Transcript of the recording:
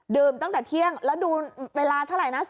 ตั้งแต่เที่ยงแล้วดูเวลาเท่าไหร่นะ